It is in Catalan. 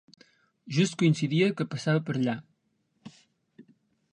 Just coincidia que passava per allà.